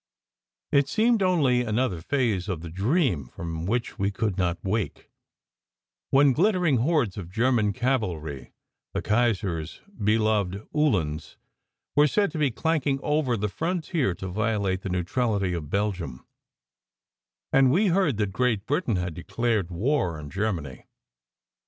It seemed only another phase of the dream from which we could not wake, when glittering hordes of German cavalry, the Kaiser s beloved uhlans, were said to be clank ing over the frontier to violate the neutrality of Belgium, and we heard that Great Britain had declared war on SECRET HISTORY 215 Germany.